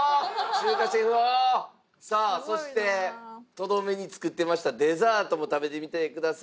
さぁそしてとどめに作ってましたデザートも食べてみてください。